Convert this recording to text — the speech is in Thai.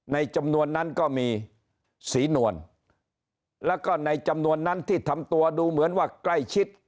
ในจำนวนนั้นก็มีสีนวลแล้วก็ในจำนวนนั้นที่ทำตัวดูเหมือนว่าใกล้ชิด